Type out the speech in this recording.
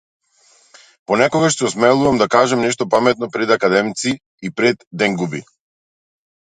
Понекогаш се осмелувам да кажам нешто паметно пред академици и пред денгуби.